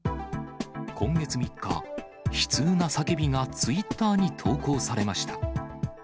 今月３日、悲痛な叫びがツイッターに投稿されました。